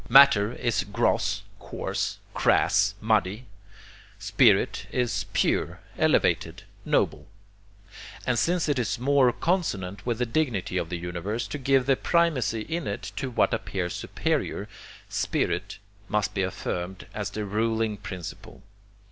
Matter is gross, coarse, crass, muddy; spirit is pure, elevated, noble; and since it is more consonant with the dignity of the universe to give the primacy in it to what appears superior, spirit must be affirmed as the ruling principle.